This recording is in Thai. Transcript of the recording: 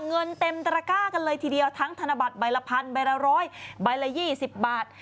เงินเต็มตระก้ากันเลยทีเดียวทั้งธนบัตรใบละพันใบละ๑๐๐ใบละ๒๐บาท